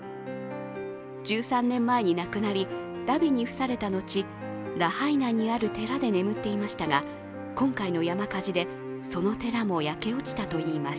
１３年前に亡くなり、だびに付された後、ラハイナにある寺で眠っていましたが今回の山火事で、その寺も焼け落ちたといいます。